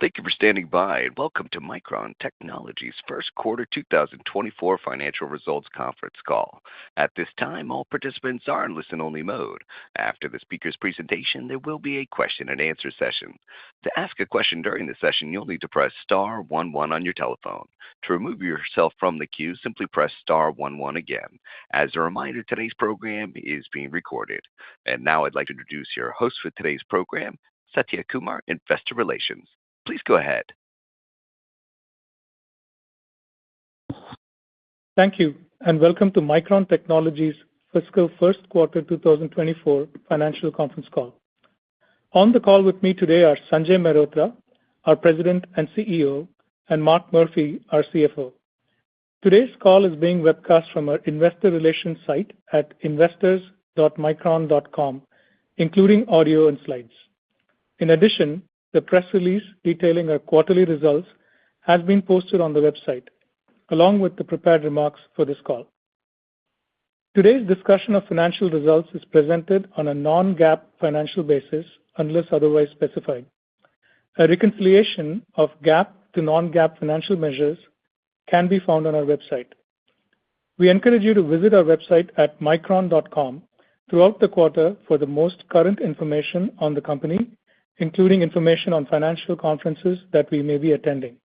Thank you for standing by, and welcome to Micron Technology's First Quarter 2024 Financial Results Conference Call. At this time, all participants are in listen-only mode. After the speaker's presentation, there will be a question-and-answer session. To ask a question during the session, you'll need to press star one, one on your telephone. To remove yourself from the queue, simply press star one, one again. As a reminder, today's program is being recorded. Now I'd like to introduce your host for today's program, Satya Kumar, Investor Relations. Please go ahead. Thank you, and welcome to Micron Technology's Fiscal First Quarter 2024 Financial Conference Call. On the call with me today are Sanjay Mehrotra, our President and CEO, and Mark Murphy, our CFO. Today's call is being webcast from our investor relations site at investors.micron.com, including audio and slides. In addition, the press release detailing our quarterly results has been posted on the website, along with the prepared remarks for this call. Today's discussion of financial results is presented on a non-GAAP financial basis, unless otherwise specified. A reconciliation of GAAP to non-GAAP financial measures can be found on our website. We encourage you to visit our website at micron.com throughout the quarter for the most current information on the company, including information on financial conferences that we may be attending.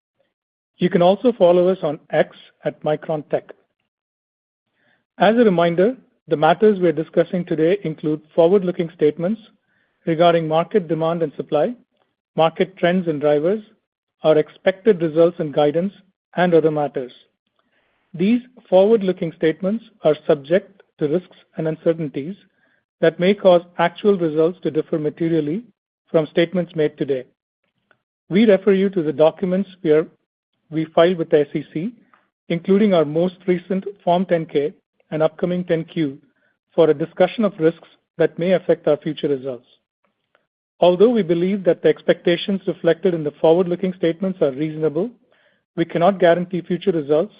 You can also follow us on X at MicronTech. As a reminder, the matters we're discussing today include forward-looking statements regarding market demand and supply, market trends and drivers, our expected results and guidance, and other matters. These forward-looking statements are subject to risks, and uncertainties that may cause actual results to differ materially from statements made today. We refer you to the documents we file with the SEC, including our most recent Form 10-K and upcoming 10-Q, for a discussion of risks that may affect our future results. Although we believe that the expectations reflected in the forward-looking statements are reasonable, we cannot guarantee future results,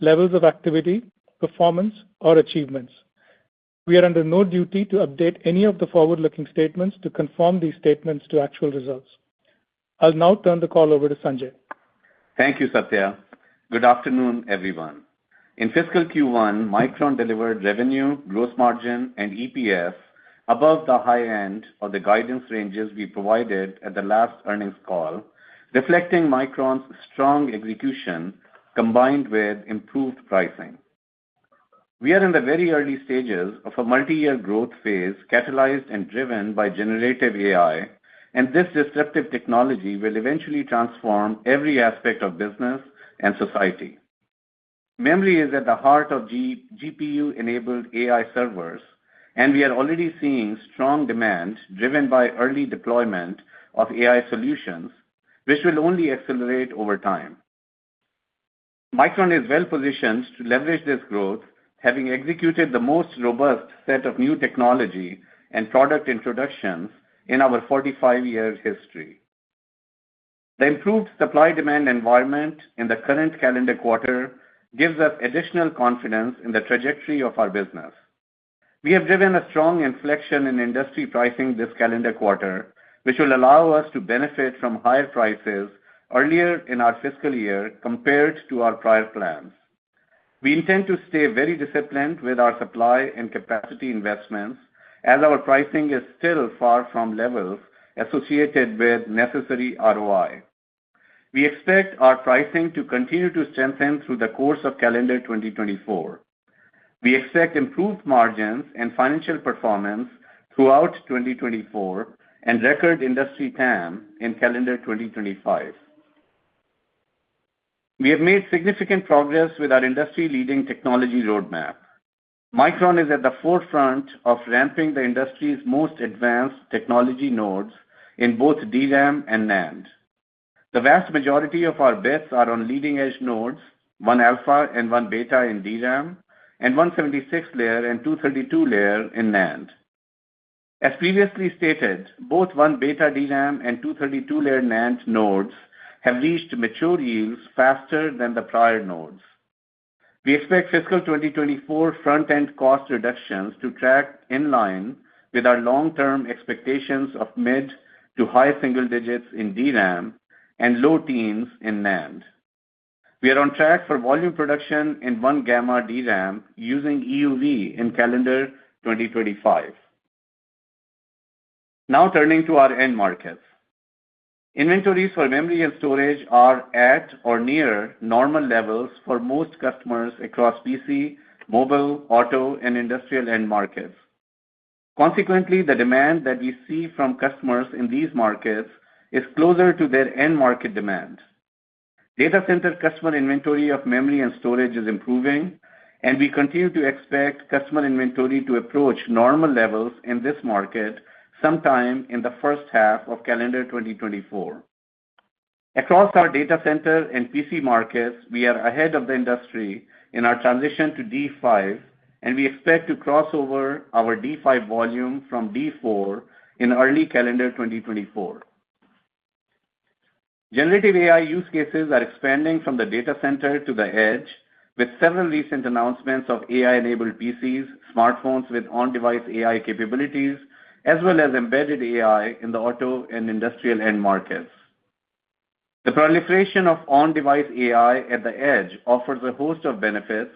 levels of activity, performance, or achievements. We are under no duty to update any of the forward-looking statements to confirm these statements to actual results. I'll now turn the call over to Sanjay. Thank you, Satya. Good afternoon, everyone. In fiscal Q1, Micron delivered revenue, gross margin, and EPS above the high end of the guidance ranges we provided at the last earnings call, reflecting Micron's strong execution, combined with improved pricing. We are in the very early stages of a multi-year growth phase, catalyzed and driven by generative AI, and this disruptive technology will eventually transform every aspect of business and society. Memory is at the heart of GPU-enabled AI servers, and we are already seeing strong demand driven by early deployment of AI solutions, which will only accelerate over time. Micron is well-positioned to leverage this growth, having executed the most robust set of new technology and product introductions in our 45-year history. The improved supply-demand environment in the current calendar quarter gives us additional confidence in the trajectory of our business. We have driven a strong inflection in industry pricing this calendar quarter, which will allow us to benefit from higher prices earlier in our fiscal year compared to our prior plans. We intend to stay very disciplined with our supply and capacity investments, as our pricing is still far from levels associated with necessary ROI. We expect our pricing to continue to strengthen through the course of calendar 2024. We expect improved margins and financial performance throughout 2024, and record industry TAM in calendar 2025. We have made significant progress with our industry-leading technology roadmap. Micron is at the forefront of ramping the industry's most advanced technology nodes in both DRAM and NAND. The vast majority of our bits are on leading-edge nodes, 1-alpha and 1-beta in DRAM, and 176-layer and 232-layer in NAND. As previously stated, both 1β DRAM and 232-layer NAND nodes have reached mature yields faster than the prior nodes. We expect fiscal 2024 front-end cost reductions to track in line with our long-term expectations of mid- to high-single digits in DRAM, and low-teens in NAND. We are on track for volume production in 1-gamma DRAM using EUV in calendar 2025. Now turning to our end markets. Inventories for memory and storage are at or near normal levels for most customers across PC, mobile, auto, and industrial end markets. Consequently, the demand that we see from customers in these markets is closer to their end market demand. Data center customer inventory of memory and storage is improving, and we continue to expect customer inventory to approach normal levels in this market sometime in the first half of calendar 2024. Across our data center and PC markets, we are ahead of the industry in our transition to D5, and we expect to cross over our D5 volume from D4 in early calendar 2024. Generative AI use cases are expanding from the data center to the edge, with several recent announcements of AI-enabled PCs, smartphones with on-device AI capabilities, as well as embedded AI in the auto and industrial end markets. The proliferation of on-device AI at the edge offers a host of benefits,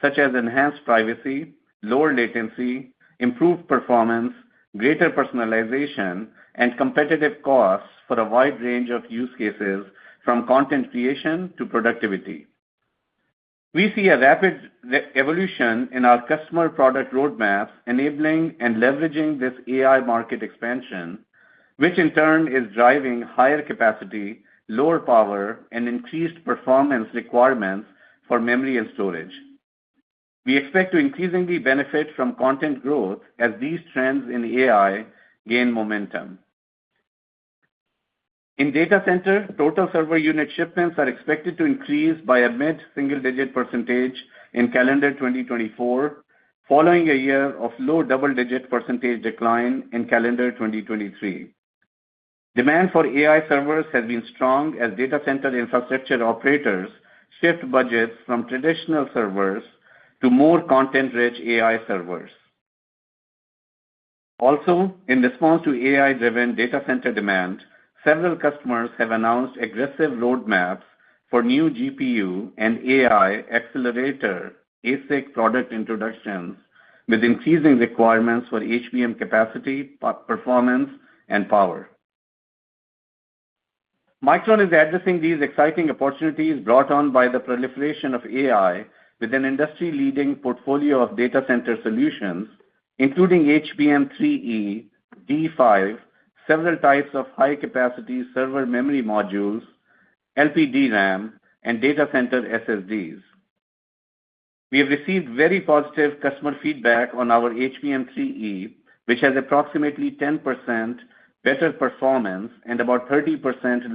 such as enhanced privacy, lower latency, improved performance, greater personalization, and competitive costs for a wide range of use cases, fr,om content creation to productivity. We see a rapid evolution in our customer product roadmaps, enabling and leveraging this AI market expansion, which in turn is driving higher capacity, lower power, and increased performance requirements for memory and storage. We expect to increasingly benefit from content growth as these trends in AI gain momentum. In data center, total server unit shipments are expected to increase by a mid-single-digit percentage in calendar 2024, following a year of low double-digit percentage decline in calendar 2023. Demand for AI servers has been strong as data center infrastructure operators shift budgets from traditional servers to more content-rich AI servers. Also, in response to AI-driven data center demand, several customers have announced aggressive roadmaps for new GPU and AI accelerator ASIC product introductions, with increasing requirements for HBM capacity, performance, and power. Micron is addressing these exciting opportunities brought on by the proliferation of AI with an industry-leading portfolio of data center solutions, including HBM3E, D5, several types of high-capacity server memory modules, LPDRAM, and data center SSDs. We have received very positive customer feedback on our HBM3E, which has approximately 10% better performance and about 30%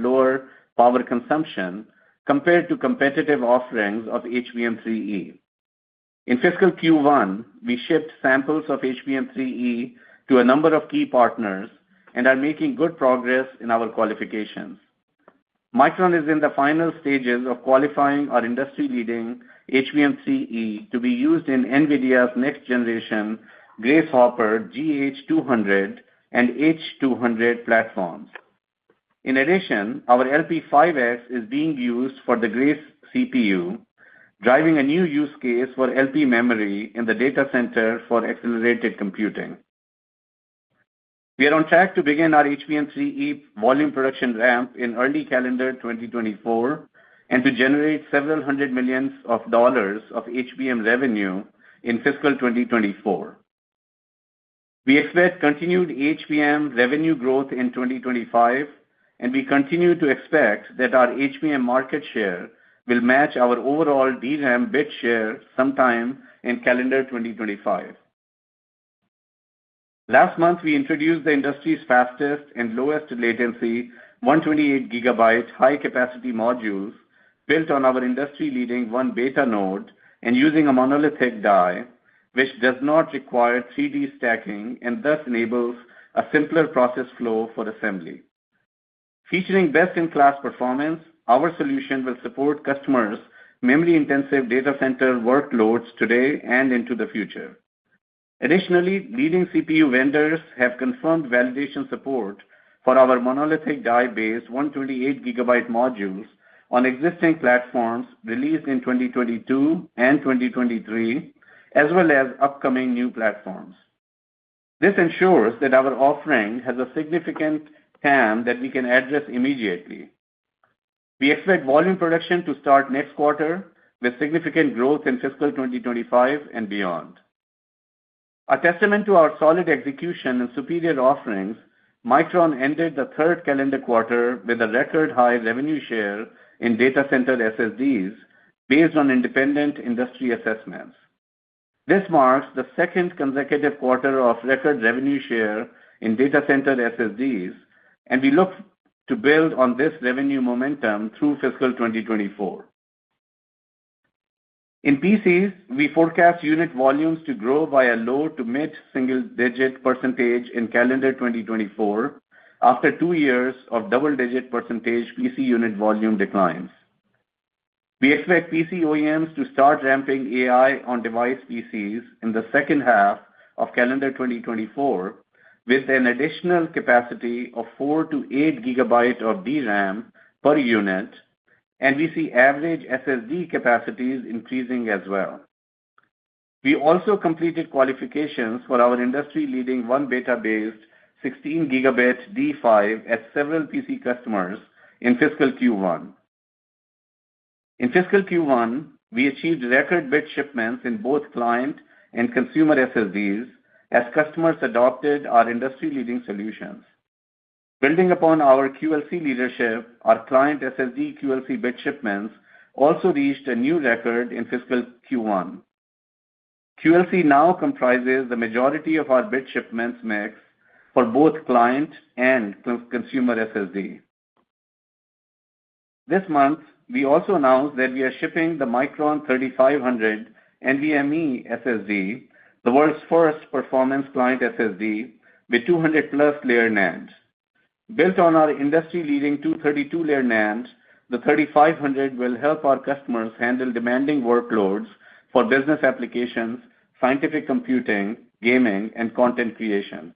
lower power consumption, compared to competitive offerings of HBM3E. In fiscal Q1, we shipped samples of HBM3E to a number of key partners, and are making good progress in our qualifications. Micron is in the final stages of qualifying our industry-leading, HBM3E to be used in NVIDIA's next-generation Grace Hopper GH200 and H200 platforms. In addition, our LP5S is being used for the Grace CPU, driving a new use case for LP memory in the data center for accelerated computing. We are on track to begin our HBM3E volume production ramp in early calendar 2024, and to generate several hundred million of HBM revenue in fiscal 2024. We expect continued HBM revenue growth in 2025, and we continue to expect that our HBM market share will match our overall DRAM bit share sometime in calendar 2025. Last month, we introduced the industry's fastest and lowest latency 128 GB high-capacity modules built on our industry-leading 1β node and using a monolithic die, which does not require 3D stacking and thus enables a simpler process flow for assembly. Featuring best-in-class performance, our solution will support customers' memory-intensive data center workloads today and into the future. Additionally, leading CPU vendors have confirmed validation support for our monolithic die-based 128 GB modules on existing platforms released in 2022 and 2023, as well as upcoming new platforms. This ensures that our offering has a significant TAM that we can address immediately. We expect volume production to start next quarter, with significant growth in fiscal 2025 and beyond. A testament to our solid execution and superior offerings, Micron ended the third calendar quarter with a record-high revenue share in data center SSDs based on independent industry assessments. This marks the second consecutive quarter of record revenue share in data center SSDs, and we look to build on this revenue momentum through fiscal 2024. In PCs, we forecast unit volumes to grow by a low- to mid-single-digit percentage in calendar 2024, after two years of double-digit percentage PC unit volume declines. We expect PC OEMs to start ramping AI on device PCs in the second half of calendar 2024, with an additional capacity of 4 GB-8 GB of DRAM per unit, and we see average SSD capacities increasing as well. We also completed qualifications for our industry-leading 1β-based 16 gigabit D5 at several PC customers in fiscal Q1. In fiscal Q1, we achieved record bit shipments in both client and consumer SSDs, as customers adopted our industry-leading solutions. Building upon our QLC leadership, our client SSD QLC bit shipments also reached a new record in fiscal Q1. QLC now comprises the majority of our bit shipments mix for both client and consumer SSDs. This month, we also announced that we are shipping the Micron 3500 NVMe SSD, the world's first performance client SSD with 200+ layer NAND. Built on our industry-leading 232-layer NAND, the 3500 will help our customers handle demanding workloads for business applications, scientific computing, gaming, and content creation.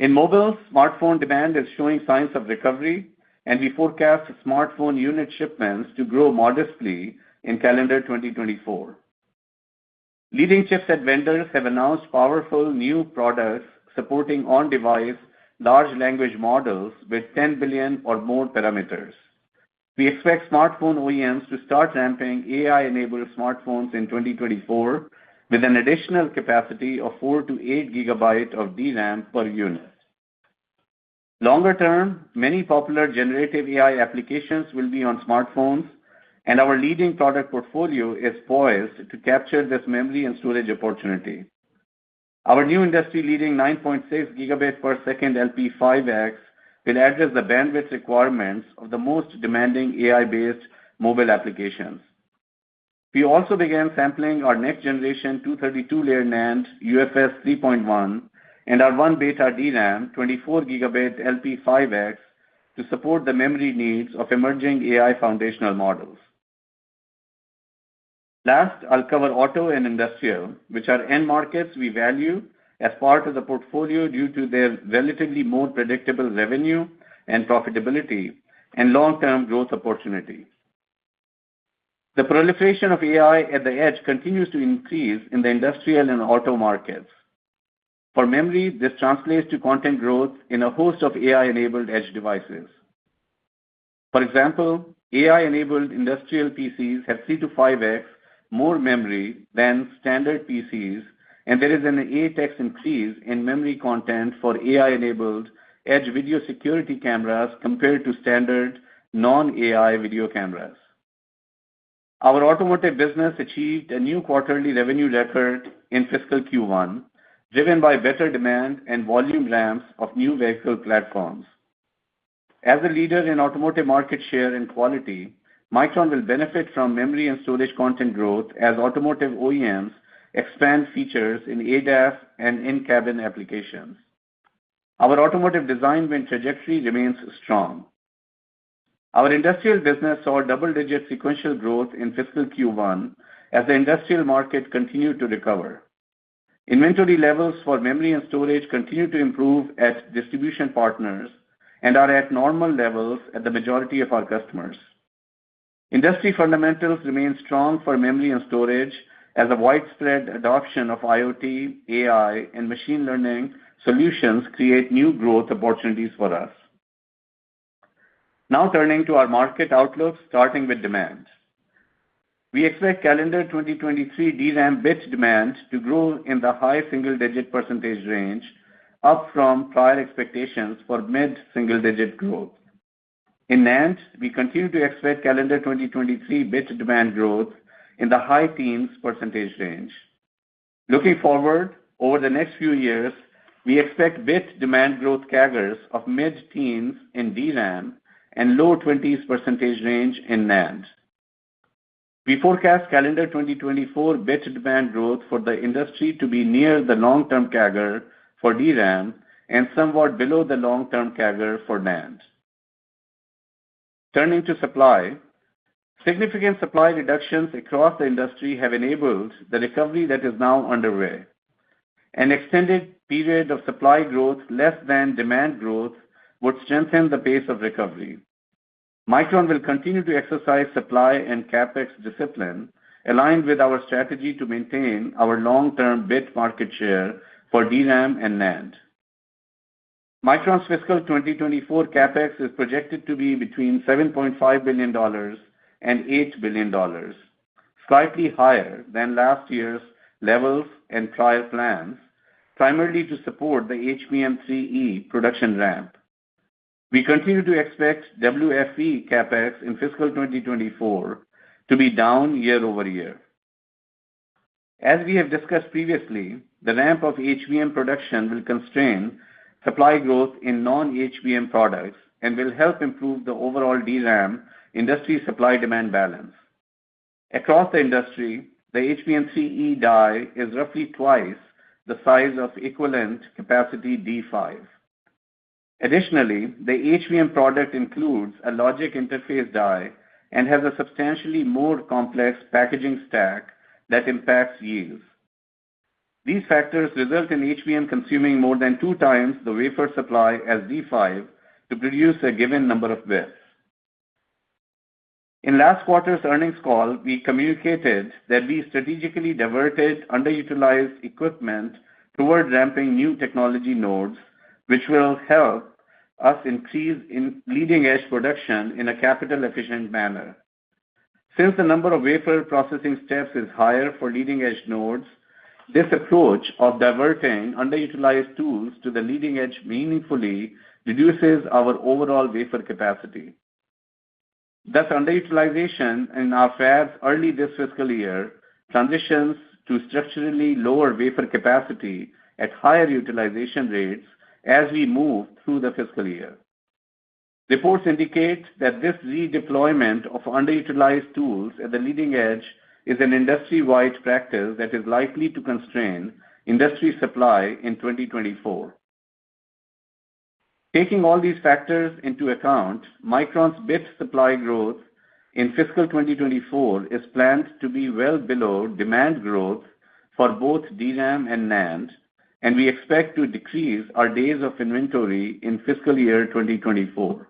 In mobile, smartphone demand is showing signs of recovery, and we forecast smartphone unit shipments to grow modestly in calendar 2024. Leading chipset vendors have announced powerful new products, supporting on-device large language models with 10 billion or more parameters. We expect smartphone OEMs to start ramping AI-enabled smartphones in 2024, with an additional capacity of 4 GB-8 GB of DRAM per unit. Longer term, many popular generative AI applications will be on smartphones, and our leading product portfolio is poised to capture this memory and storage opportunity. Our new industry-leading 9.6 Gbps LP5X will address the bandwidth requirements of the most demanding AI-based mobile applications. We also began sampling our next-generation 232-layer NAND, UFS 3.1, and our 1-beta DRAM, 24 Gb LP5X, to support the memory needs of emerging AI foundational models. Last, I'll cover auto and industrial, which are end markets we value as part of the portfolio due to their relatively more predictable revenue and profitability, and long-term growth opportunities. The proliferation of AI at the edge continues to increase in the industrial and auto markets. For memory, this translates to content growth in a host of AI-enabled edge devices. For example, AI-enabled industrial PCs have 3x-5x more memory than standard PCs, and there is an 8x increase in memory content for AI-enabled edge video security cameras compared to standard non-AI video cameras. Our automotive business achieved a new quarterly revenue record in fiscal Q1, driven by better demand and volume ramps of new vehicle platforms. As a leader in automotive market share and quality, Micron will benefit from memory and storage content growth as automotive OEMs expand features in ADAS and in-cabin applications. Our automotive design win trajectory remains strong. Our industrial business saw double-digit sequential growth in fiscal Q1 as the industrial market continued to recover. Inventory levels for memory and storage continue to improve at distribution partners, and are at normal levels at the majority of our customers. Industry fundamentals remain strong for memory and storage, as a widespread adoption of IoT, AI, and machine learning solutions create new growth opportunities for us. Now turning to our market outlook, starting with demand. We expect calendar 2023 DRAM bit demand to grow in the high single-digit percentage range, up from prior expectations for mid-single-digit growth. In NAND, we continue to expect calendar 2023 bit demand growth in the high-teens percentage range. Looking forward, over the next few years, we expect bit demand growth CAGRs of mid-teens in DRAM and low-20s percentage range in NAND. We forecast calendar 2024 bit demand growth for the industry to be near the long-term CAGR for DRAM, and somewhat below the long-term CAGR for NAND. Turning to supply, significant supply reductions across the industry have enabled the recovery that is now underway. An extended period of supply growth less than demand growth would strengthen the pace of recovery. Micron will continue to exercise supply, and CapEx discipline aligned with our strategy to maintain our long-term bit market share for DRAM and NAND. Micron's fiscal 2024 CapEx is projected to be between $7.5 billion and $8 billion, slightly higher than last year's levels and trial plans, primarily to support the HBM3E production ramp. We continue to expect WFE CapEx in fiscal 2024 to be down year over year. As we have discussed previously, the ramp of HBM production will constrain supply growth in non-HBM products and will help improve the overall DRAM industry supply-demand balance. Across the industry, the HBM3E die is roughly twice the size of equivalent capacity D5. Additionally, the HBM product includes a logic interface die, and has a substantially more complex packaging stack that impacts yields. These factors result in HBM consuming more than 2x the wafer supply as D5 to produce a given number of bits. In last quarter's earnings call, we communicated that we strategically diverted underutilized equipment towards ramping new technology nodes, which will help us increase in leading-edge production in a capital-efficient manner. Since the number of wafer processing steps is higher for leading-edge nodes, this approach of diverting underutilized tools to the leading edge meaningfully reduces our overall wafer capacity. Thus, underutilization in our fabs early this fiscal year transitions to structurally lower wafer capacity, at higher utilization rates as we move through the fiscal year. Reports indicate that this redeployment of underutilized tools at the leading edge is an industry-wide practice, that is likely to constrain industry supply in 2024. Taking all these factors into account, Micron's bit supply growth in fiscal 2024 is planned to be well below demand growth for both DRAM and NAND, and we expect to decrease our days of inventory in fiscal year 2024.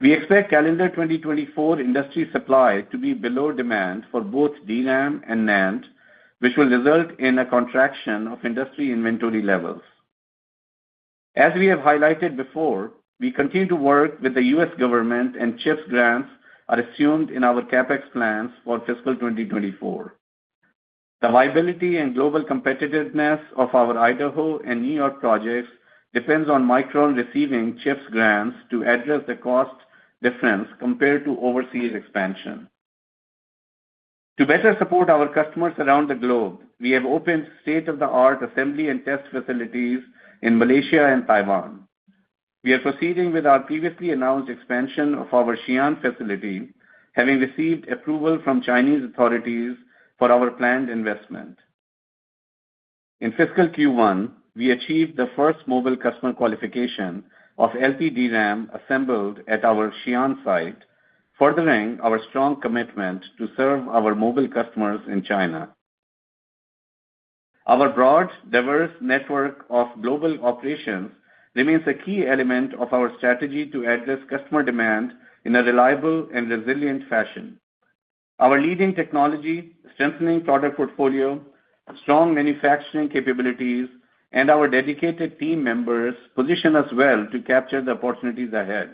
We expect calendar 2024 industry supply to be below demand for both DRAM and NAND, which will result in a contraction of industry inventory levels. As we have highlighted before, we continue to work with the U.S. government, and CHIPS grants are assumed in our CapEx plans for fiscal 2024. The viability and global competitiveness of our Idaho and New York projects depends on Micron receiving CHIPS grants, to address the cost difference compared to overseas expansion. To better support our customers around the globe, we have opened state-of-the-art assembly and test facilities in Malaysia and Taiwan. We are proceeding with our previously announced expansion of our Xi'an facility, having received approval from Chinese authorities for our planned investment. In fiscal Q1, we achieved the first mobile customer qualification of LPDRAM assembled at our Xi'an site, furthering our strong commitment to serve our mobile customers in China. Our broad, diverse network of global operations remains a key element of our strategy to address customer demand in a reliable and resilient fashion. Our leading technology, strengthening product portfolio, strong manufacturing capabilities, and our dedicated team members position us well to capture the opportunities ahead.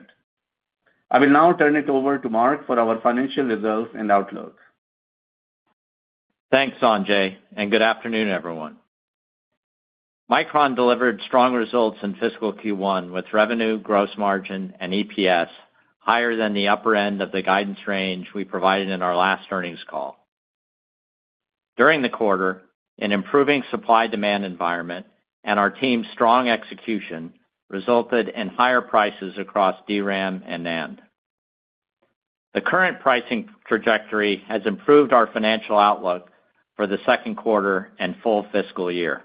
I will now turn it over to Mark for our financial results and outlook. Thanks, Sanjay, and good afternoon, everyone. Micron delivered strong results in fiscal Q1, with revenue, gross margin, and EPS higher than the upper end of the guidance range we provided in our last earnings call. During the quarter, an improving supply-demand environment and our team's strong execution resulted in higher prices across DRAM and NAND. The current pricing trajectory has improved our financial outlook for the second quarter and full fiscal year.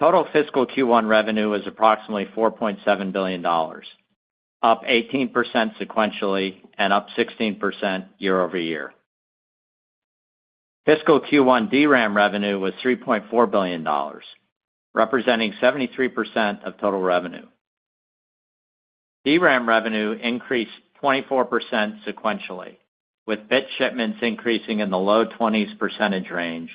Total fiscal Q1 revenue was approximately $4.7 billion, up 18% sequentially and up 16% year-over-year. Fiscal Q1 DRAM revenue was $3.4 billion, representing 73% of total revenue. DRAM revenue increased 24% sequentially, with bit shipments increasing in the low 20s percentage range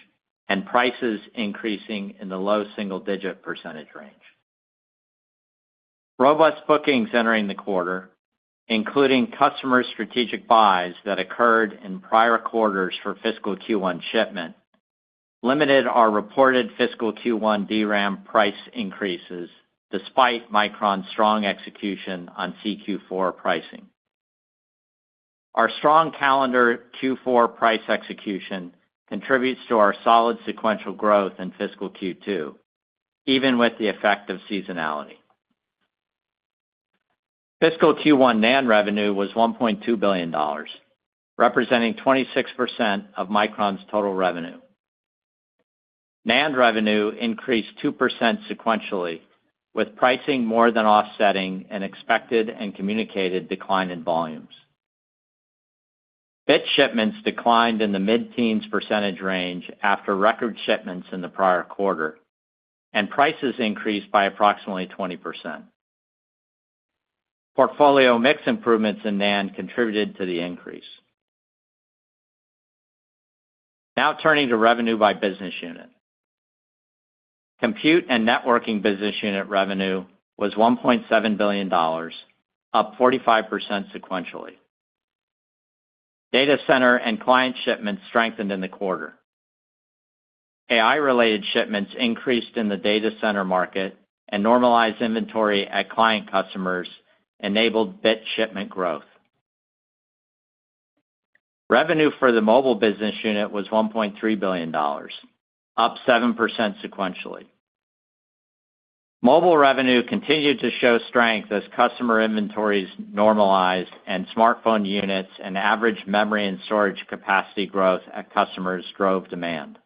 and prices increasing in the low single-digit percentage range. Robust bookings entering the quarter, including customer strategic buys that occurred in prior quarters for fiscal Q1 shipment, limited our reported fiscal Q1 DRAM price increases despite Micron's strong execution on CQ4 pricing. Our strong calendar Q4 price execution contributes to our solid sequential growth in fiscal Q2, even with the effect of seasonality. Fiscal Q1 NAND revenue was $1.2 billion, representing 26% of Micron's total revenue. NAND revenue increased 2% sequentially, with pricing more than offsetting an expected and communicated decline in volumes. Bit shipments declined in the mid-teens percentage range after record shipments in the prior quarter, and prices increased by approximately 20%. Portfolio mix improvements in NAND contributed to the increase. Now turning to revenue by business unit. Compute and networking business unit revenue was $1.7 billion, up 45% sequentially. Data center and client shipments strengthened in the quarter. AI-related shipments increased in the data center market, and normalized inventory at client customers enabled bit shipment growth. Revenue for the mobile business unit was $1.3 billion, up 7% sequentially. Mobile revenue continued to show strength as customer inventories normalized and smartphone units, and average memory and storage capacity growth at customers drove demand.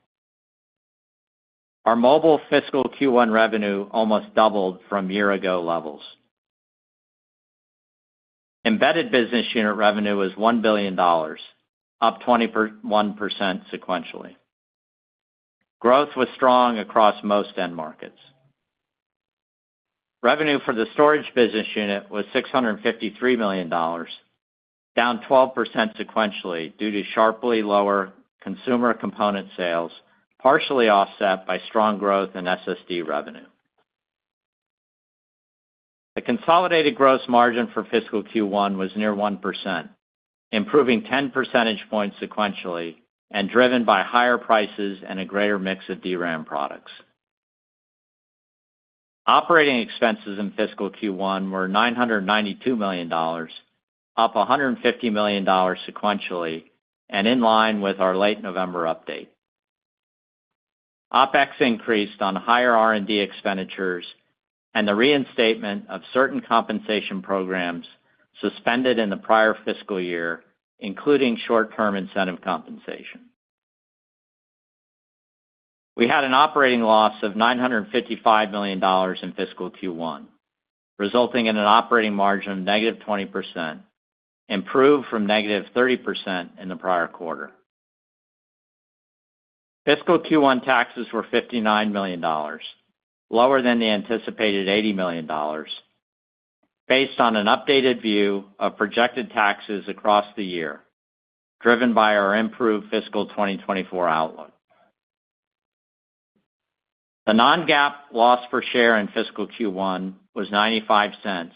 Our mobile fiscal Q1 revenue almost doubled from year-ago levels. Embedded business unit revenue was $1 billion, up 21% sequentially. Growth was strong across most end markets. Revenue for the storage business unit was $653 million, down 12% sequentially due to sharply lower consumer component sales, partially offset by strong growth in SSD revenue. The consolidated gross margin for fiscal Q1 was near 1%, improving 10 percentage points sequentially and driven by higher prices and a greater mix of DRAM products. Operating expenses in fiscal Q1 were $992 million, up $150 million sequentially, and in line with our late November update. OpEx increased on higher R&D expenditures, and the reinstatement of certain compensation programs suspended in the prior fiscal year, including short-term incentive compensation. We had an operating loss of $955 million in fiscal Q1, resulting in an operating margin of -20%, improved from -30% in the prior quarter. Fiscal Q1 taxes were $59 million, lower than the anticipated $80 million, based on an updated view of projected taxes across the year, driven by our improved fiscal 2024 outlook. The non-GAAP loss per share in fiscal Q1 was $0.95,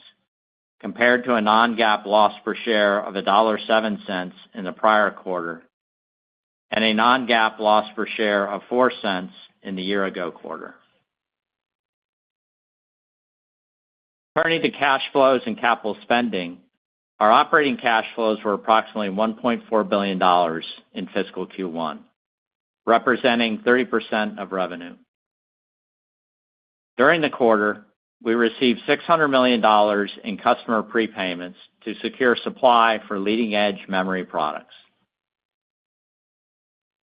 compared to a non-GAAP loss per share of $1.07 in the prior quarter, and a non-GAAP loss per share of $0.04 in the year-ago quarter. Turning to cash flows and capital spending. Our operating cash flows were approximately $1.4 billion in fiscal Q1, representing 30% of revenue. During the quarter, we received $600 million in customer prepayments to secure supply for leading-edge memory products.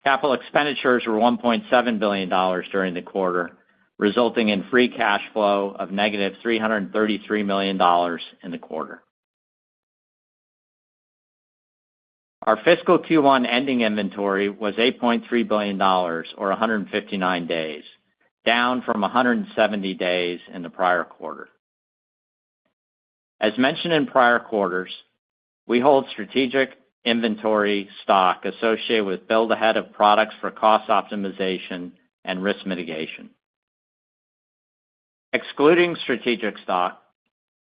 Capital expenditures were $1.7 billion during the quarter, resulting in free cash flow of -$333 million in the quarter. Our fiscal Q1 ending inventory was $8.3 billion or 159 days, down from 170 days in the prior quarter. As mentioned in prior quarters, we hold strategic inventory stock associated with build ahead of products for cost optimization and risk mitigation. Excluding strategic stock,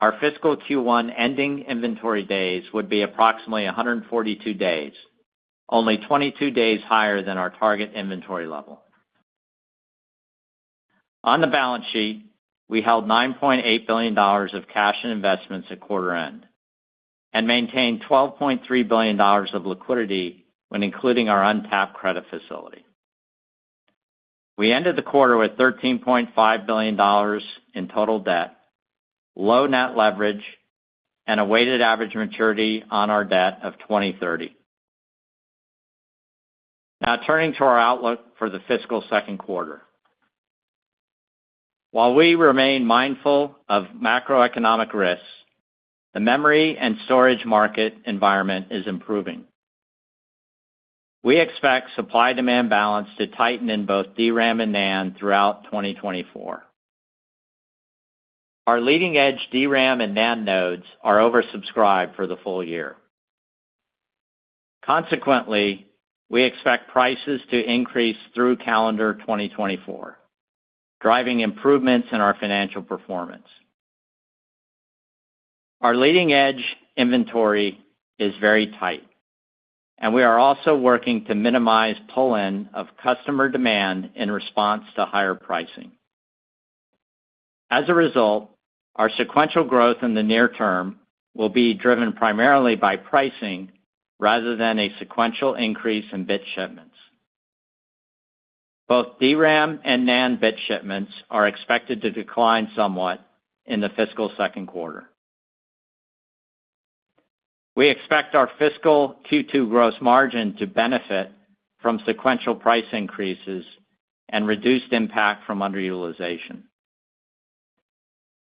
our fiscal Q1 ending inventory days would be approximately 142 days, only 22 days higher than our target inventory level. On the balance sheet, we held $9.8 billion of cash and investments at quarter-end, and maintained $12.3 billion of liquidity when including our untapped credit facility. We ended the quarter with $13.5 billion in total debt, low net leverage, and a weighted average maturity on our debt of 2030. Now, turning to our outlook for the fiscal second quarter. While we remain mindful of macroeconomic risks, the memory and storage market environment is improving. We expect supply-demand balance to tighten in both DRAM and NAND throughout 2024. Our leading-edge DRAM and NAND nodes are oversubscribed for the full year. Consequently, we expect prices to increase through calendar 2024, driving improvements in our financial performance. Our leading-edge inventory is very tight, and we are also working to minimize pull-in of customer demand in response to higher pricing. As a result, our sequential growth in the near term will be driven primarily by pricing rather than a sequential increase in bit shipments. Both DRAM and NAND bit shipments are expected to decline somewhat in the fiscal second quarter. We expect our fiscal Q2 gross margin to benefit from sequential price increases, and reduced impact from underutilization.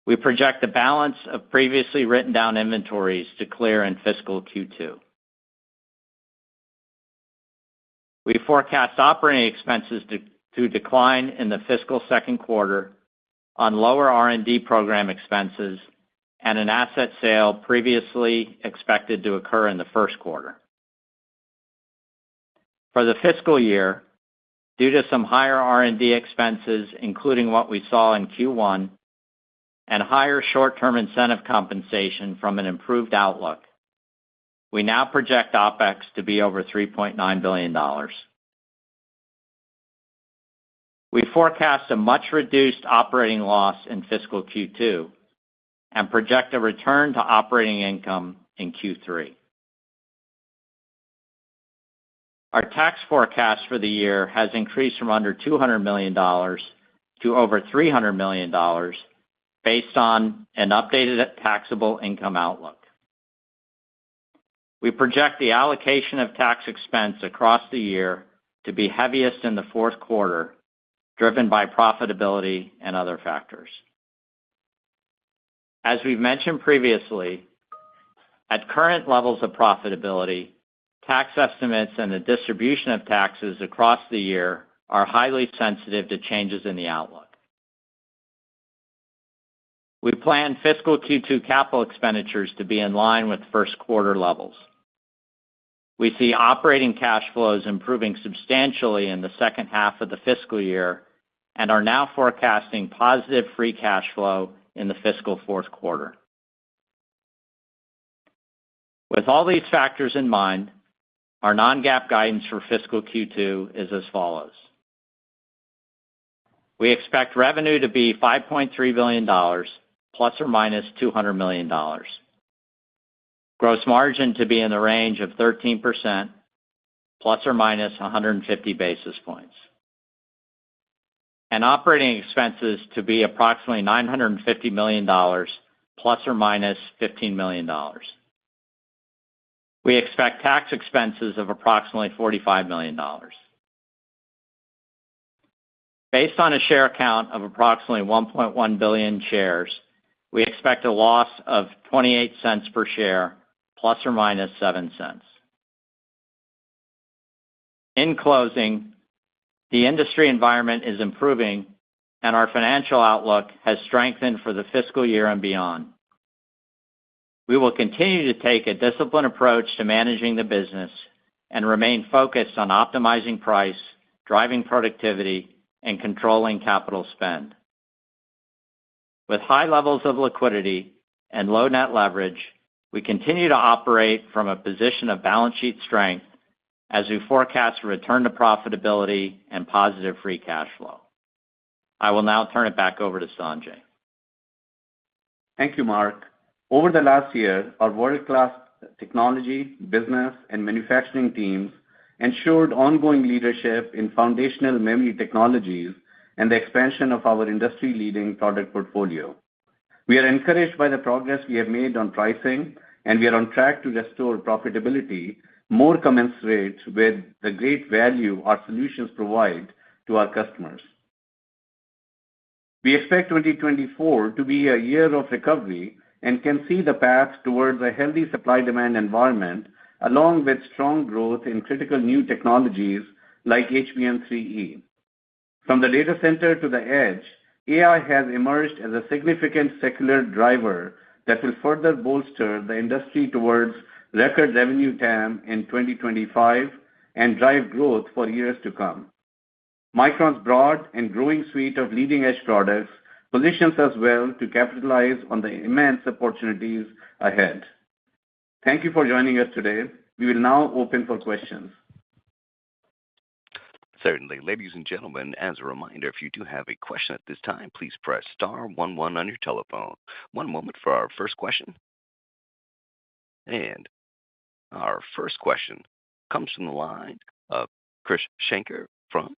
We project the balance of previously written down inventories to clear in fiscal Q2. We forecast operating expenses to decline in the fiscal second quarter on lower R&D program expenses, and an asset sale previously expected to occur in the first quarter. For the fiscal year, due to some higher R&D expenses, including what we saw in Q1 and higher short-term incentive compensation from an improved outlook, we now project OpEx to be over $3.9 billion. We forecast a much reduced operating loss in fiscal Q2, and project a return to operating income in Q3. Our tax forecast for the year has increased from under $200 million to over $300 million, based on an updated taxable income outlook. We project the allocation of tax expense across the year to be heaviest in the fourth quarter, driven by profitability and other factors. As we've mentioned previously, at current levels of profitability, tax estimates and the distribution of taxes across the year are highly sensitive to changes in the outlook. We plan fiscal Q2 capital expenditures to be in line with first-quarter levels. We see operating cash flows improving substantially in the second half of the fiscal year, and are now forecasting positive free cash flow in the fiscal fourth quarter. With all these factors in mind, our non-GAAP guidance for fiscal Q2 is as follows, we expect revenue to be $5.3 billion, ±$200 million. Gross margin to be in the range of 13%, ±150 basis points, and operating expenses to be approximately $950 million, ±$15 million. We expect tax expenses of approximately $45 million. Based on a share count of approximately 1.1 billion shares, we expect a loss of $0.28 per share, ± $0.07. In closing, the industry environment is improving and our financial outlook has strengthened for the fiscal year and beyond. We will continue to take a disciplined approach to managing the business and remain focused on optimizing price, driving productivity, and controlling capital spend. With high levels of liquidity and low net leverage, we continue to operate from a position of balance sheet strength as we forecast a return to profitability and positive free cash flow. I will now turn it back over to Sanjay. Thank you, Mark. Over the last year, our world-class technology, business, and manufacturing teams ensured ongoing leadership in foundational memory technologies and the expansion of our industry-leading product portfolio. We are encouraged by the progress we have made on pricing, and we are on track to restore profitability more commensurate with the great value our solutions provide to our customers. We expect 2024 to be a year of recovery and can see the path towards a healthy supply-demand environment, along with strong growth in critical new technologies like HBM3E. From the data center to the edge, AI has emerged as a significant secular driver that will further bolster the industry towards record revenue TAM in 2025 and drive growth for years to come. Micron's broad and growing suite of leading-edge products, positions us well to capitalize on the immense opportunities ahead. Thank you for joining us today. We will now open for questions. Certainly. Ladies and gentlemen, as a reminder, if you do have a question at this time, please press star one, one on your telephone. One moment for our first question. Our first question comes from the line of Krish Sankar from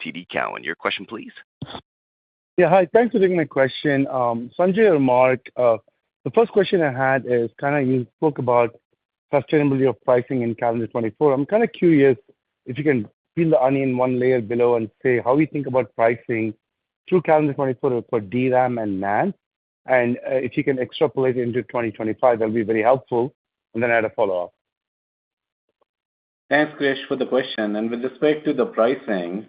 TD Cowen. Your question, please. Yeah, hi. Thanks for taking my question. Sanjay or Mark, the first question I had is, kind of you spoke about sustainability of pricing in calendar 2024. I'm kind of curious if you can peel the onion one layer below and say how you think about pricing through calendar 2024 for DRAM and NAND, and, if you can extrapolate into 2025, that'll be very helpful and then I had a follow-up. Thanks, Krish for the question. With respect to the pricing,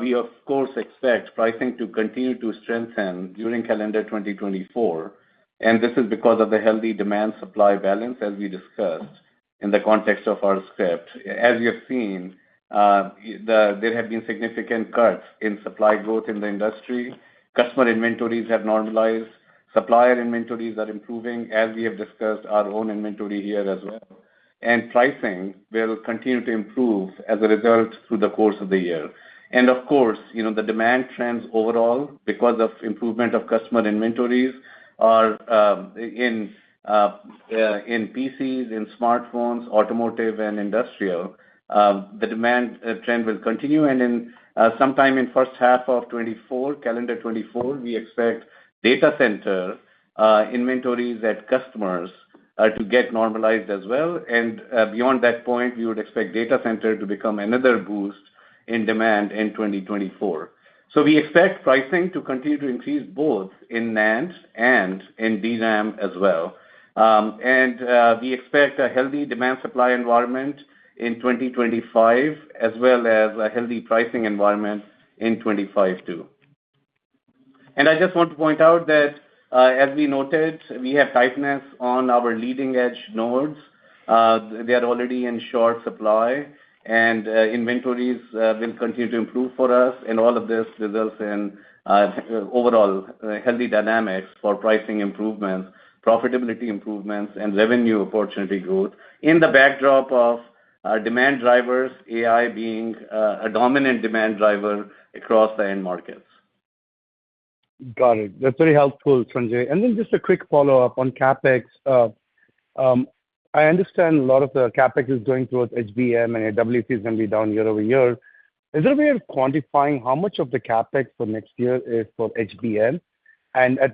we of course expect pricing to continue to strengthen during calendar 2024. This is because of the healthy demand-supply balance, as we discussed in the context of our script. As you have seen, there have been significant cuts in supply growth in the industry, customer inventories have normalized, supplier inventories are improving, as we have discussed our own inventory here as well, and pricing will continue to improve as a result through the course of the year. Of couse, you know, the demand trends overall, because of improvement of customer inventories in PCs, in smartphones, automotive, and industrial, the demand trend will continue. In sometime in first half of calendar 2024, we expect data center inventories at customers to get normalized as well. Beyond that point, we would expect data center to become another boost in demand in 2024. We expect pricing to continue to increase both in NAND and in DRAM as well. We expect a healthy demand supply environment in 2025, as well as a healthy pricing environment in 2025 too. I just want to point out that, as we noted, we have tightness on our leading-edge nodes. They are already in short supply, and inventories will continue to improve for us and all of this results in overall healthy dynamics for pricing improvements, profitability improvements, and revenue opportunity growth in the backdrop of our demand drivers, AI being a dominant demand driver across the end markets. Got it. That's very helpful, Sanjay. Then just a quick follow-up on CapEx. I understand a lot of the CapEx is going towards HBM, and WFE is going to be down year over year. Is there a way of quantifying how much of the CapEx for next year is for HBM?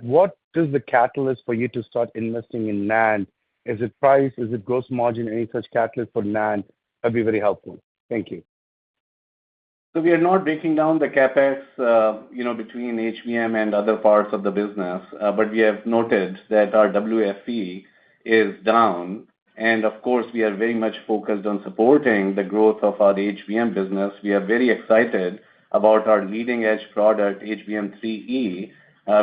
What is the catalyst for you to start investing in NAND? Is it price? Is it gross margin? Any such catalyst for NAND? That'd be very helpful. Thank you. We are not breaking down the CapEx, you know, between HBM and other parts of the business, but we have noted that our WFE is down. Of course, we are very much focused on supporting the growth of our HBM business. We are very excited about our leading-edge product, HBM3E,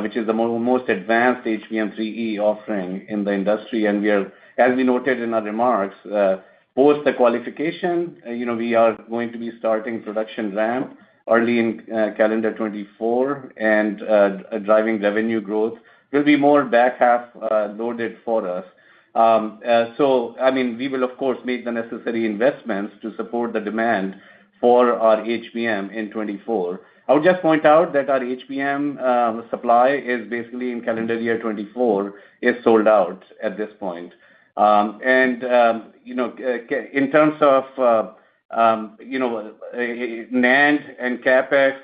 which is the most advanced HBM3E offering in the industry. As we noted in our remarks, both the qualification, you know, we are going to be starting production ramp early in calendar 2024, and driving revenue growth will be more back half loaded for us. I mean, we will of course make the necessary investments to support the demand for our HBM in 2024. I would just point out that our HBM supply basically in calendar year 2024 is sold out at this point. You know, in terms of NAND and CapEx,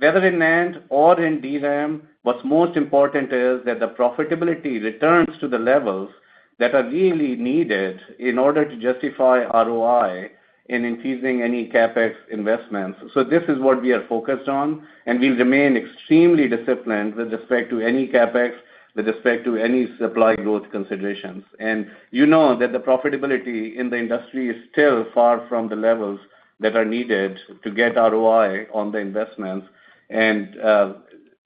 whether in NAND or in DRAM, what's most important is that the profitability returns to the levels that are really needed in order to justify ROI in increasing any CapEx investments. This is what we are focused on, and we'll remain extremely disciplined with respect to any CapEx, with respect to any supply growth considerations. You know that the profitability in the industry is still far from the levels that are needed to get ROI on the investments, and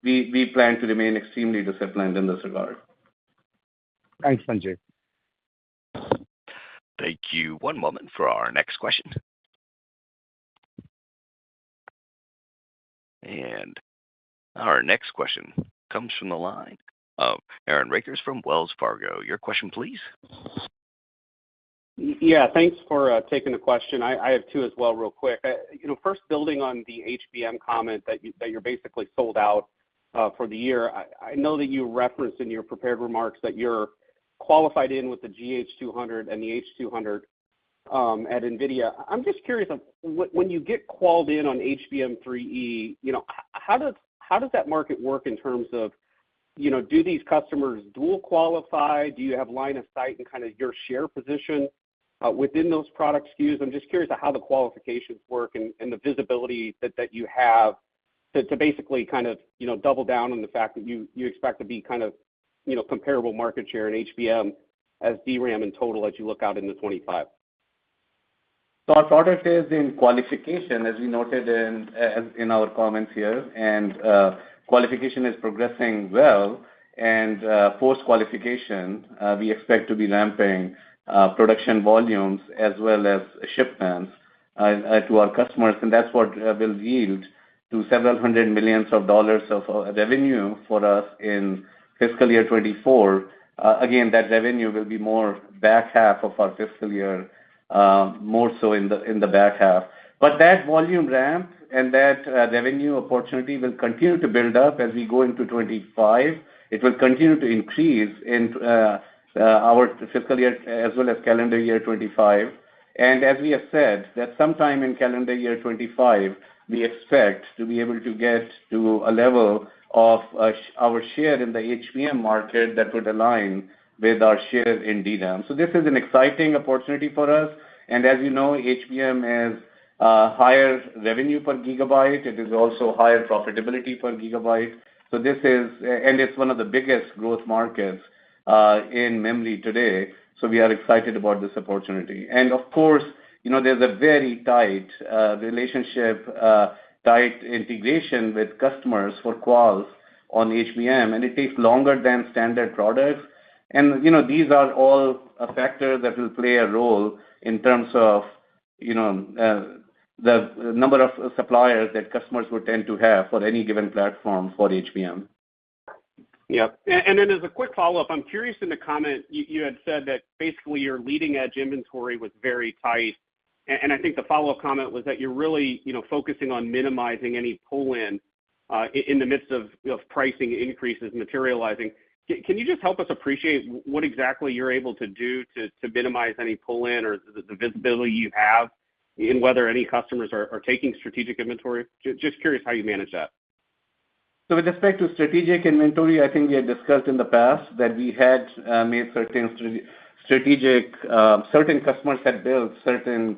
we plan to remain extremely disciplined in this regard. Thanks, Sanjay. Thank you. One moment for our next question. Our next question comes from the line of Aaron Rakers from Wells Fargo. Your question, please. Yeah, thanks for taking the question. I have two as well, real quick. You know, first building on the HBM comment that you're basically sold out for the year, I know that you referenced in your prepared remarks that you're qualified in with the GH200, and the H200 at NVIDIA. I'm just curious on, when you get qualed in on HBM3E, you know, how does that market work in terms of, you know, do these customers dual qualify? Do you have line of sight and kind of your share position within those product SKUs? I'm just curious of how the qualifications work, and the visibility that you have to basically kind of, you know, double down on the fact that you expect to be kind of, you know, comparable market share in HBM as DRAM in total as you look out into 2025. Our product is in qualification, as we noted in our comments here, and qualification is progressing well. Post-qualification, we expect to be ramping production volumes as well as shipments to our customers, and that's what will yield several hundred million dollars of revenue for us in fiscal year 2024. Again, that revenue will be more back half of our fiscal year, more so in the back half, but that volume ramp and that revenue opportunity will continue to build up as we go into 2025. It will continue to increase in our fiscal year as well as calendar year 2025. As we have said, that sometime in calendar year 2025, we expect to be able to get to a level of our share in the HBM market that would align with our share in DRAM. This is an exciting opportunity for us, and as you know, HBM has higher revenue per gigabyte. It is also higher profitability per gigabyte. It's one of the biggest growth markets in memory today, so we are excited about this opportunity. Of course, you know, there's a very tight relationship, tight integration with customers for quals on HBM, and it takes longer than standard products. You know, these are all a factor that will play a role in terms of, you know, the number of suppliers that customers would tend to have for any given platform for HBM. Yep. Then as a quick follow-up, I'm curious in the comment, you had said that basically, your leading-edge inventory was very tight. I think the follow-up comment was that you're really, you know, focusing on minimizing any pull-in in the midst of pricing increases materializing. Can you just help us appreciate what exactly you're able to do to minimize any pull-in, or the visibility you have in whether any customers are taking strategic inventory? Just curious how you manage that. With respect to strategic inventory, I think we had discussed in the past that certain customers had built certain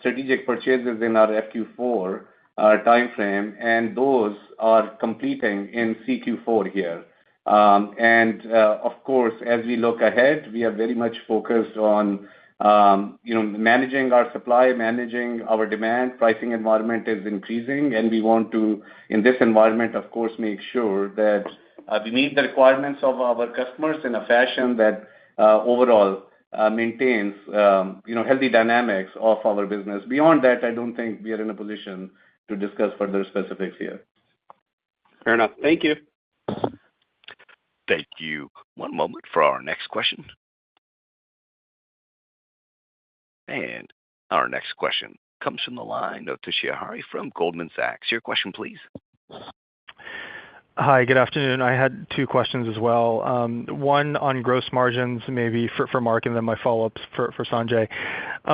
strategic purchases in our FQ4 timeframe, and those are completing in CQ4 here. Of course, as we look ahead, we are very much focused on, you know, managing our supply, managing our demand. Pricing environment is increasing, and we want to, in this environment, of course make sure that we meet the requirements of our customers in a fashion that overall maintains, you know, healthy dynamics of our business. Beyond that, I don't think we are in a position to discuss further specifics here. Fair enough. Thank you. Thank you. One moment for our next question. Our next question comes from the line of Toshiya Hari from Goldman Sachs. Your question, please. Hi, good afternoon. I had two questions as well, one on gross margins, maybe for Mark, and then my follow-up's for Sanjay.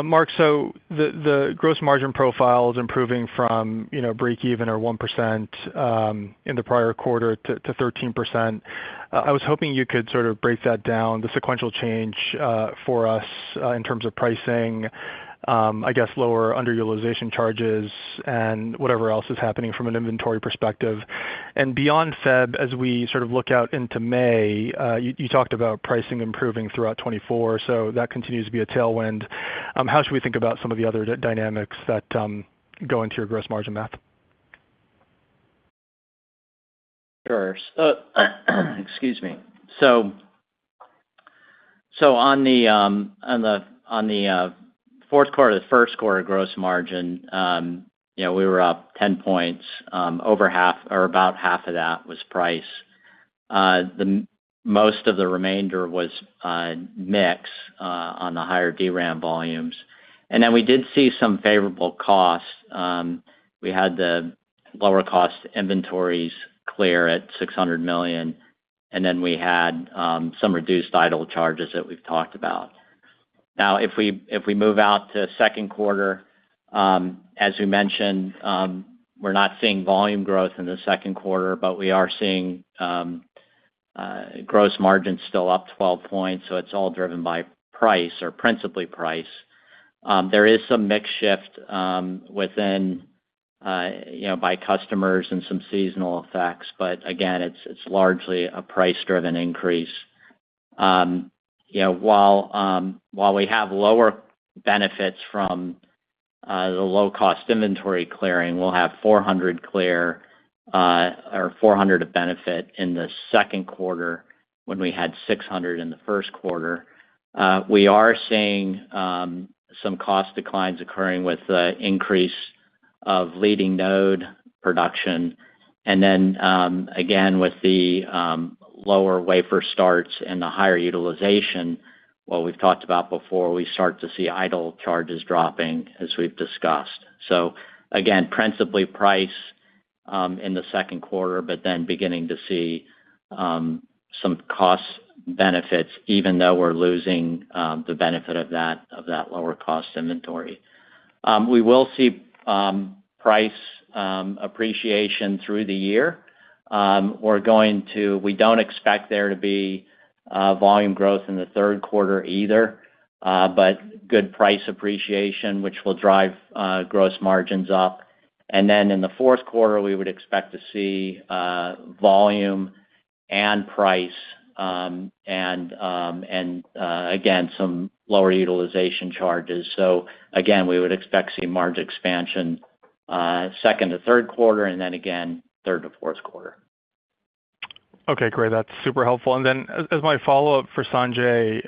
Mark, so the gross margin profile is improving from, you know, breakeven or 1% in the prior quarter to 13%. I was hoping you could sort of break that down, the sequential change for us in terms of pricing, I guess, lower underutilization charges and whatever else is happening from an inventory perspective. Beyond February, as we sort of look out into May, you talked about pricing improving throughout 2024, so that continues to be a tailwind. How should we think about some of the other dynamics that go into your gross margin math? Sure. Excuse me. On the fourth quarter to the first quarter gross margin, you know, we were up 10 points. Over half or about half of that was price. Most of the remainder was a mix on the higher DRAM volumes, and then we did see some favorable costs. We had the lower cost inventories clear at $600 million, and then we had some reduced idle charges that we've talked about. Now, if we move out to second quarter, as we mentioned, we're not seeing volume growth in the second quarter, but we are seeing gross margins still up 12 points, so it's all driven by price or principally price. There is some mix shift, you know, by customers and some seasonal effects, but again, it's largely a price-driven increase. You know, while we have lower benefits from the low-cost inventory clearing, we'll have $400 million benefit in the second quarter, when we had $600 million in the first quarter. We are seeing some cost declines occurring with the increase of leading node production. Then again, with the lower wafer starts and the higher utilization, what we've talked about before, we start to see idle charges dropping, as we've discussed. Again, principally price in the second quarter, but then beginning to see some cost benefits, even though we're losing the benefit of that lower-cost inventory. We will see price appreciation through the year. We don't expect there to be volume growth in the third quarter either, but good price appreciation, which will drive gross margins up. Then in the fourth quarter, we would expect to see volume and price, and again, some lower utilization charges. Again, we would expect to see margin expansion second to third quarter, and then again, third to fourth quarter. Okay, great. That's super helpful. Then as my follow-up for Sanjay,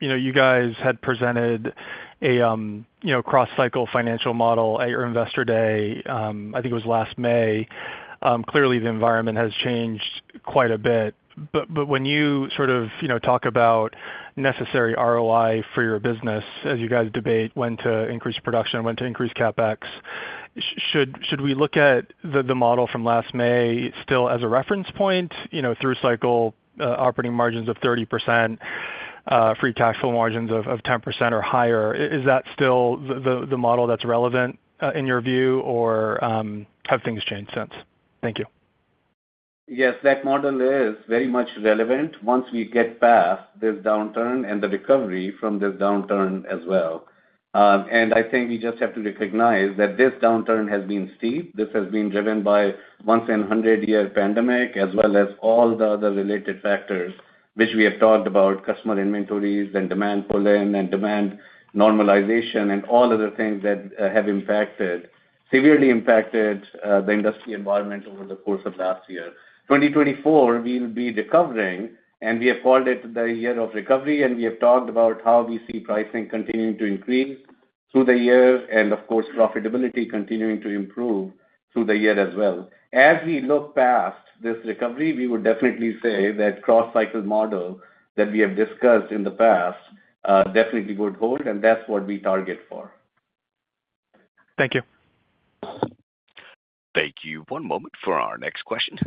you know, you guys had presented a, you know, cross-cycle financial model at your Investor Day, I think it was last May. Clearly, the environment has changed quite a bit. When you sort of, you know, talk about necessary ROI for your business, as you guys debate when to increase production, when to increase CapEx, should we look at the model from last May still as a reference point, you know, through cycle, operating margins of 30%, free cash flow margins of 10% or higher? Is that still the model that's relevant in your view or have things changed since? Thank you. Yes, that model is very much relevant once we get past this downturn, and the recovery from this downturn as well. I think you just have to recognize that this downturn has been steep. This has been driven by once-in 100-year pandemic, as well as all the other related factors which we have talked about, customer inventories and demand pull-in and demand normalization, and all of the things that have severely impacted, the industry environment over the course of last year. 2024, we will be recovering, and we have called it the year of recovery, and we have talked about how we see pricing continuing to increase through the year, and of course profitability continuing to improve through the year as well. As we look past this recovery, we would definitely say that cross-cycle model that we have discussed in the past definitely would hold, and that's what we target for. Thank you. Thank you. One moment for our next question.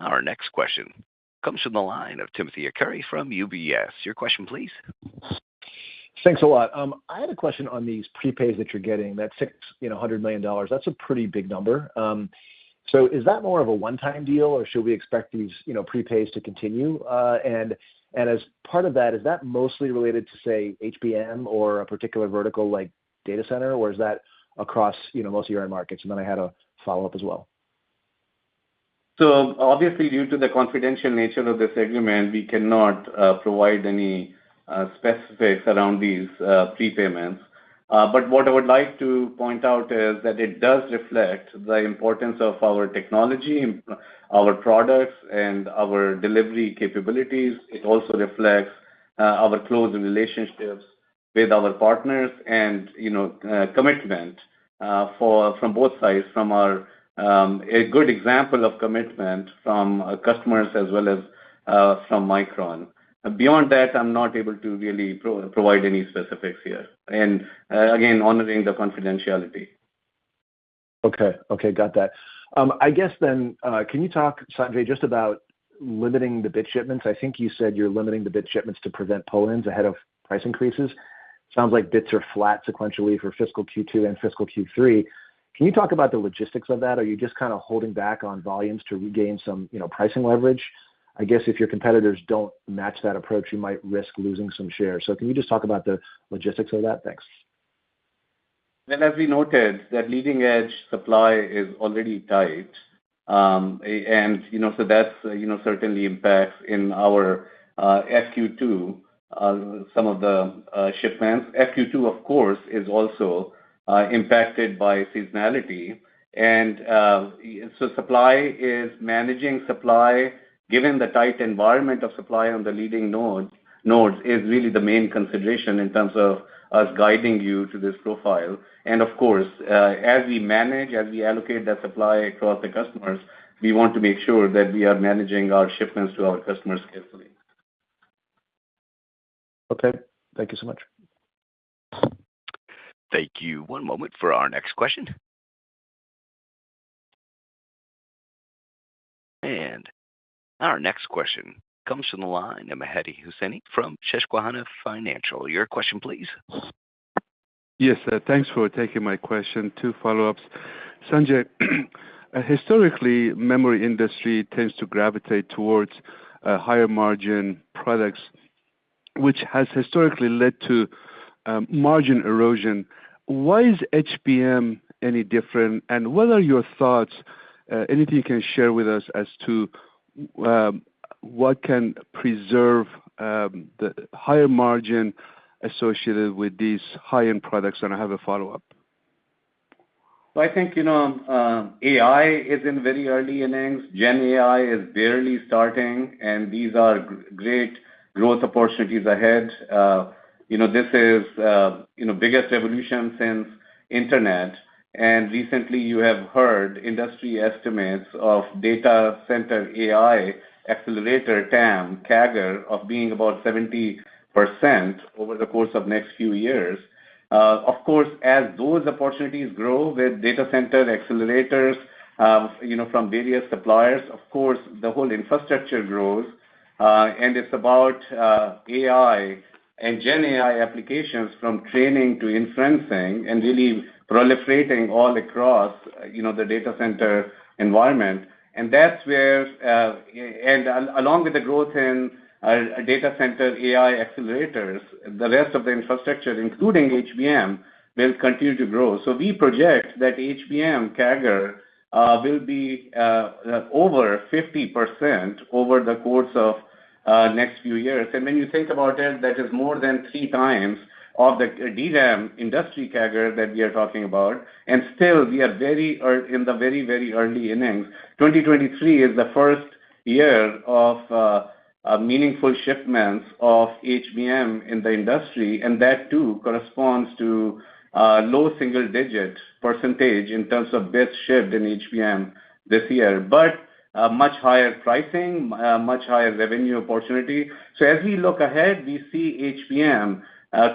Our next question comes from the line of Timothy Arcuri from UBS. Your question, please. Thanks a lot. I had a question on these prepays that you're getting, that $600 million. That's a pretty big number. Is that more of a one-time deal, or should we expect these, you know, prepays to continue? As part of that, is that mostly related to say HBM or a particular vertical like data center, or is that across, you know, most of your end markets? Then I had a follow-up as well. Obviously, due to the confidential nature of this agreement, we cannot provide any specifics around these prepayments. What I would like to point out is that it does reflect the importance of our technology, our products, and our delivery capabilities. It also reflects our close relationships with our partners and you know, commitment from both sides. A good example of commitment from our customers as well as from Micron. Beyond that, I'm not able to really provide any specifics here, and again, honoring the confidentiality. Okay, got that. I guess then can you talk, Sanjay, just about limiting the bit shipments? I think you said you're limiting the bit shipments to prevent pull-ins ahead of price increases. Sounds like bits are flat sequentially for fiscal Q2 and fiscal Q3. Can you talk about the logistics of that? Are you just kind of holding back on volumes to regain some, you know, pricing leverage? I guess if your competitors don't match that approach, you might risk losing some share. Can you just talk about the logistics of that? Thanks. Well, as we noted, that leading-edge supply is already tight. You know, so that, you know, certainly impacts in our SQ2, some of the shipments. FQ2 of course, is also impacted by seasonality. Supply is managing supply, given the tight environment of supply on the leading nodes, is really the main consideration in terms of us guiding you to this profile. Of course, as we manage, as we allocate that supply across the customers, we want to make sure that we are managing our shipments to our customers carefully. Okay, thank you so much. Thank you. One moment for our next question. Our next question comes from the line of Mehdi Hosseini from Susquehanna Financial. Your question, please. Yes, sir. Thanks for taking my question. Two follow-ups. Sanjay, historically, memory industry tends to gravitate towards higher margin products, which has historically led to margin erosion. Why is HBM any different? What are your thoughts, anything you can share with us as to, what can preserve the higher margin associated with these high-end products? I have a follow-up. Well, I think, you know, AI is in very early innings. Gen AI is barely starting, and these are great growth opportunities ahead. You know, this is, you know, biggest revolution since Internet, and recently you have heard industry estimates of data center AI accelerator TAM CAGR of being about 70% over the course of next few years. Of course, as those opportunities grow with data center accelerators, you know, from various suppliers, of course the whole infrastructure grows. It's about AI and Gen AI applications from training to inferencing, and really proliferating all across, you know, the data center environment. Along with the growth in data center AI accelerators, the rest of the infrastructure, including HBM, will continue to grow. We project that HBM CAGR will be over 50% over the course of next few years. When you think about it, that is more than 3x of the DRAM industry CAGR that we are talking about, and still we are very early in the very, very early innings. 2023 is the first year of a meaningful shipments of HBM in the industry, and that too corresponds to low single-digit percentage in terms of bits shipped in HBM this year, but a much higher pricing, much higher revenue opportunity. As we look ahead, we see HBM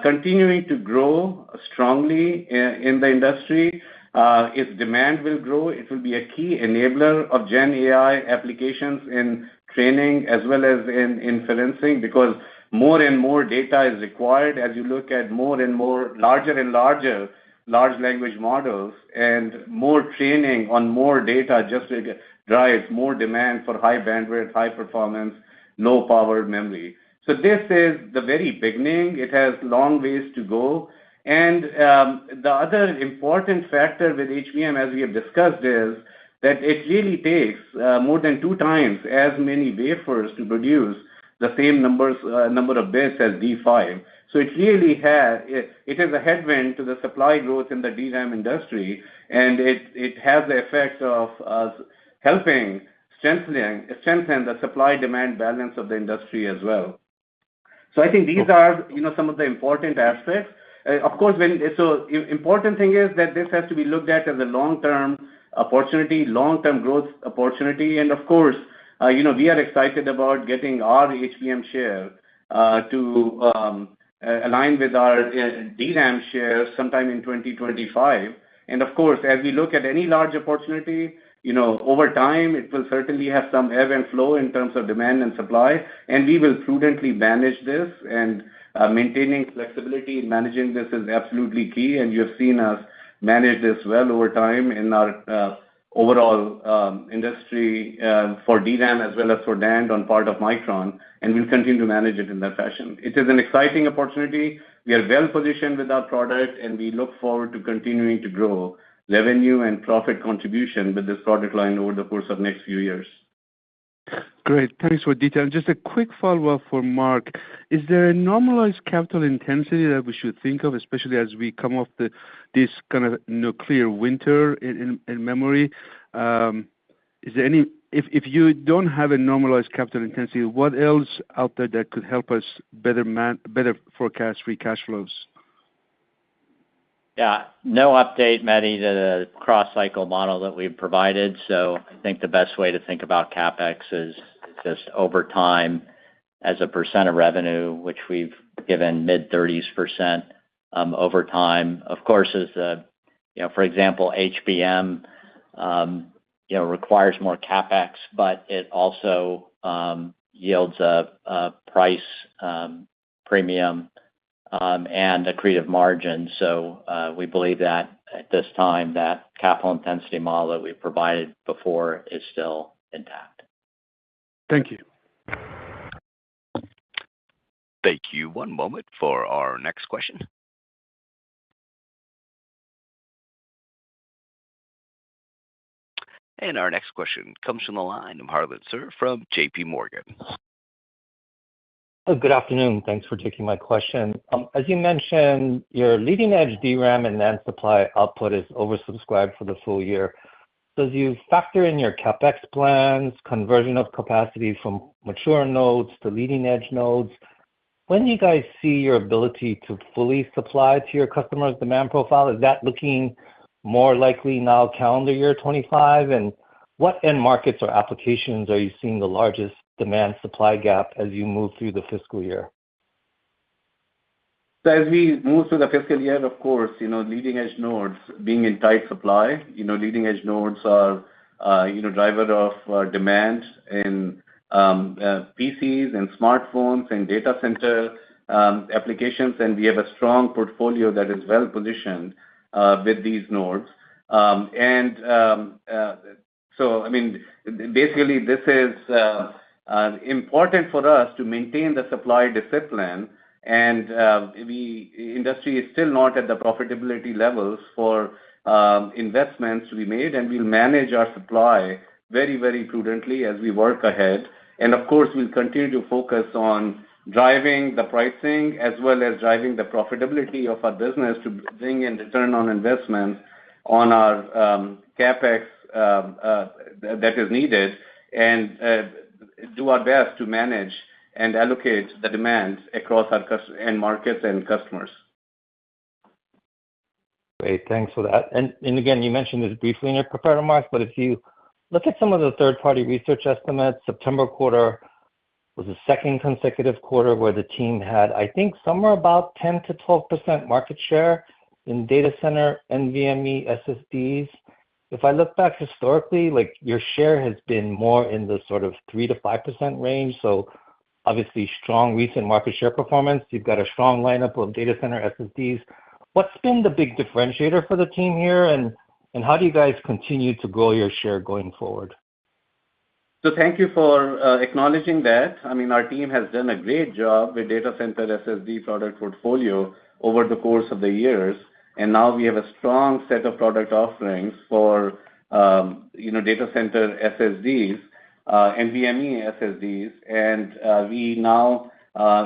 continuing to grow strongly in the industry. Its demand will grow. It will be a key enabler of Gen AI applications in training as well as in inferencing, because more and more data is required as you look at more and more larger and larger large language models, and more training on more data just to drive more demand for high bandwidth, high performance, low-powered memory. This is the very beginning. It has long ways to go. The other important factor with HBM, as we have discussed, is that it really takes more than 2x as many wafers to produce the same number of bits as D5. It really is a headwind to the supply growth in the DRAM industry, and it has the effect of us helping strengthen the supply-demand balance of the industry as well. I think these are, you know, some of the important aspects. Of course, so the important thing is that this has to be looked at as a long-term opportunity, long-term growth opportunity. Of course, you know, we are excited about getting our HBM share to align with our DRAM share sometime in 2025. Of course, as we look at any large opportunity, you know, over time, it will certainly have some ebb and flow in terms of demand and supply, and we will prudently manage this. Maintaining flexibility in managing this is absolutely key, and you have seen us manage this well over time in our overall industry for DRAM as well as for NAND on part of Micron, and we'll continue to manage it in that fashion. It is an exciting opportunity. We are well-positioned with our product, and we look forward to continuing to grow revenue and profit contribution with this product line over the course of the next few years. Great. Thanks for the detail. Just a quick follow-up for Mark, is there a normalized capital intensity that we should think of, especially as we come off this kind of nuclear winter in memory? If you don't have a normalized capital intensity, what else out there that could help us better forecast free cash flows? Yeah. No update, Mehdi, to the cross-cycle model that we've provided. I think the best way to think about CapEx is just over time as a percent of revenue, which we've given mid-30s percent over time. Of course, you know, for example, HBM requires more CapEx, but it also yields a price premium and accretive margin. We believe that at this time, that capital intensity model that we provided before is still intact. Thank you. Thank you. One moment for our next question. Our next question comes from the line of Harlan Sur from JPMorgan. Good afternoon. Thanks for taking my question. As you mentioned, your leading-edge DRAM and NAND supply output is oversubscribed for the full year. As you factor in your CapEx plans, conversion of capacity from mature nodes to leading-edge nodes, when do you guys see your ability to fully supply to your customers' demand profile? Is that looking more likely now, calendar year 2025? What end markets or applications are you seeing the largest demand supply gap as you move through the fiscal year? As we move through the fiscal year, of course, you know, leading-edge nodes being in tight supply, you know, leading-edge nodes are, you know, a driver of demand in PCs and smartphones and data center applications. We have a strong portfolio that is well positioned with these nodes. I mean, basically, this is important for us to maintain the supply discipline and industry is still not at the profitability levels for investments we made, and we'll manage our supply very, very prudently as we work ahead. Of course, we'll continue to focus on driving the pricing, as well as driving the profitability of our business to bring in return on investment on our CapEx that is needed, and do our best to manage and allocate the demand across our customer end markets and customers. Great. Thanks for that. Again, you mentioned this briefly in your prepared remarks. If you look at some of the third-party research estimates, September quarter was the second consecutive quarter where the team had, I think somewhere about 10%-12% market share in data center NVMe SSDs. If I look back historically, your share has been more in the sort of 3%-5% range, so obviously strong recent market share performance. You've got a strong lineup of data center SSDs. What's been the big differentiator for the team here, and how do you guys continue to grow your share going forward? Thank you for acknowledging that. I mean, our team has done a great job with data center SSD product portfolio over the course of the years, and now we have a strong set of product offerings for, you know, data center SSDs, NVMe SSDs. We now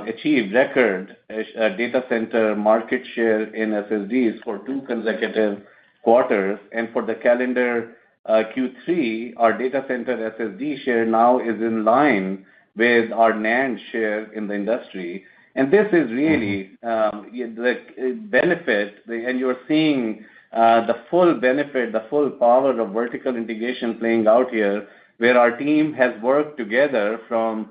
achieved record data center market share in SSDs for two consecutive quarters. For the calendar Q3, our data center SSD share now is in line with our NAND share in the industry. This is really a benefit, and you're seeing the full benefit, the full power of vertical integration playing out here, where our team has worked together from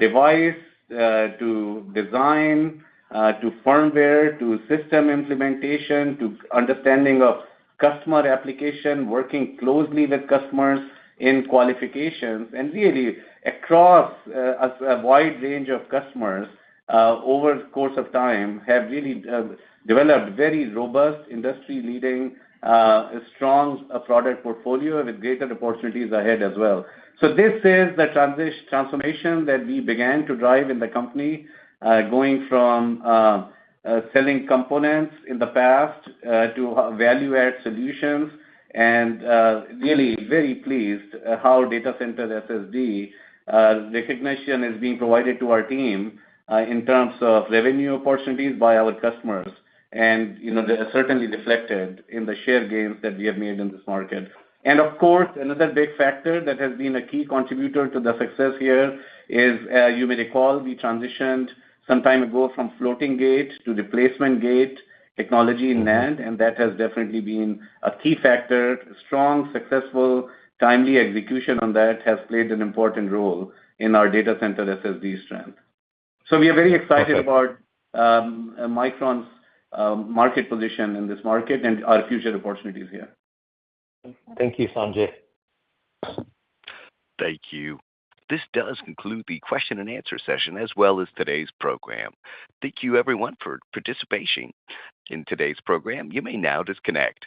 device to design to firmware, to system implementation, to understanding of customer application, working closely with customers in qualifications. Really, across a wide range of customers, over the course of time, have really developed very robust, industry-leading strong product portfolio with greater opportunities ahead as well. This is the transformation that we began to drive in the company, going from selling components in the past to value-add solutions. Really very pleased how data center SSD recognition is being provided to our team in terms of revenue opportunities by our customers, nd you know, they are certainly reflected in the share gains that we have made in this market. Of course, another big factor that has been a key contributor to the success here is, you may recall, we transitioned some time ago from floating gate to the replacement gate technology in NAND, and that has definitely been a key factor. Strong, successful, timely execution on that has played an important role in our data center SSD strength. We are very excited about Micron's market position in this market and our future opportunities here. Thank you, Sanjay. Thank you. This does conclude the question-and-answer session, as well as today's program. Thank you, everyone for participation in today's program. You may now disconnect.